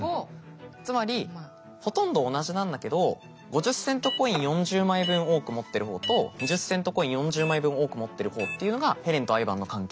つまりほとんど同じなんだけど５０セントコイン４０枚分多く持ってる方と２０セントコイン４０枚分多く持ってる方っていうのがヘレンとアイヴァンの関係。